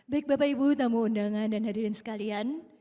baik bapak ibu tamu undangan dan hadirin sekalian